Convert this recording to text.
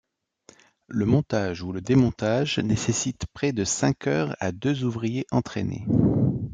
Le montage ou le démontage nécessite près de cinq heures à deux ouvriers entraînés.